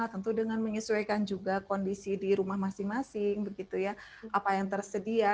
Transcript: tentu dengan menyesuaikan juga kondisi di rumah masing masing begitu ya apa yang tersedia